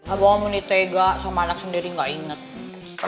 abah mau nitega sama anak sendiri gak inget